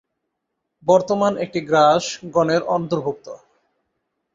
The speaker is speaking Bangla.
বর্তমান এটি গ্রাস গণের অন্তর্ভুক্ত।